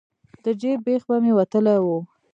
د جیب بیخ به مې وتلی و.